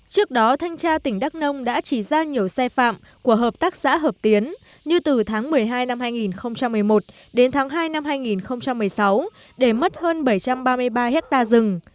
trước đó thanh tra tỉnh đắk nông đã chỉ ra nhiều sai phạm của hợp tác xã hợp tiến như từ tháng một mươi hai năm hai nghìn một mươi một đến tháng hai năm hai nghìn một mươi sáu để mất hơn bảy trăm ba mươi ba hectare rừng